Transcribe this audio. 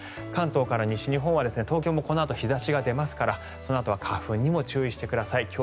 関東から西日本は、東京もこのあと日差しが出ますからそのあとは花粉にも注意してください。